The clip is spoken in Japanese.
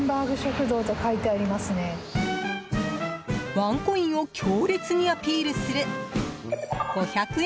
ワンコインを強烈にアピールする５００円